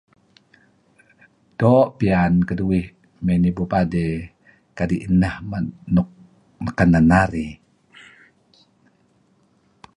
Doo' piyan keduih mey nibu padey kadi' ineh men nuk kenen narih.